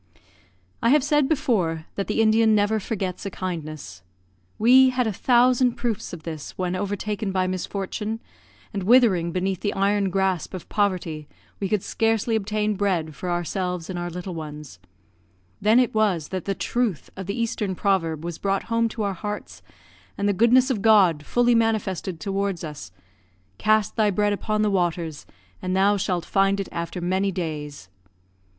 I have said before that the Indian never forgets a kindness. We had a thousand proofs of this, when overtaken by misfortune, and withering beneath the iron grasp of poverty, we could scarcely obtain bread for ourselves and our little ones; then it was that the truth of the eastern proverb was brought home to our hearts, and the goodness of God fully manifested towards us, "Cast thy bread upon the waters, and thou shalt find it after many days."